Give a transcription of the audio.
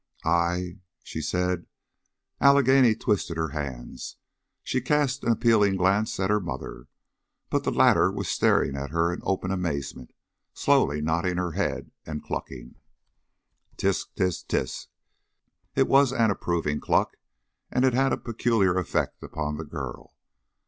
"I She said " Allegheny twisted her hands, she cast an appealing glance at her mother, but the latter was staring at her in open amazement, slowly nodding her head and clucking. "Tse! Tse! Tse!" It was an approving cluck, and it had a peculiar effect upon the girl.